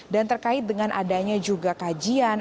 dan terkait dengan adanya juga kajian